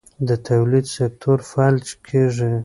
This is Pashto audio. د تولید سکتور فلج کېږي.